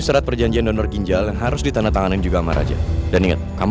surat perjanjian donor ginjal yang harus ditandatanganin juga sama raja dan ingat kamu